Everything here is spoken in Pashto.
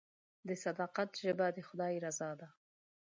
د صداقت ژبه د خدای رضا ده.